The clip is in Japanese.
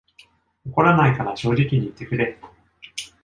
怒らないから正直に言ってくれ